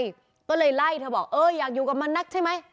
ก็เลยไล่เธอบอกเอออยากอยู่กับมันนักใช่ไหม